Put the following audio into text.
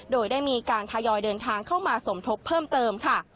โดยได้มีการทยอยเดินทางเข้ามาสมทบเพิ่มเติมค่ะ